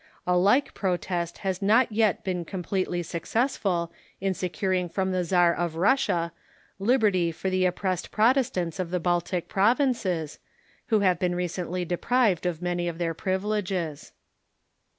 A like protest has not yet been com pletely successful in securing from the Czar of Russia liberty for the oppressed Protestants of the Baltic provinces, who have been recently deprived of many of their privileges.